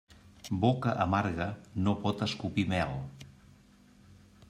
Boca amarga no pot escopir mel.